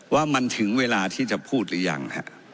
ว่ามันถึงเวลาที่จะพูดหรือยัง